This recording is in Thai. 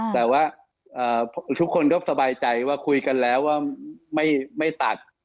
แต่ว่าทุกคนก็สบายใจว่าคุยกันแล้วว่าไม่ตัด